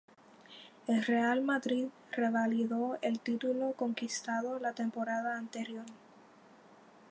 El Real Madrid revalidó el título conquistado la temporada anterior.